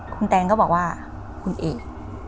คุณแตงก็บอกว่าคุณเอก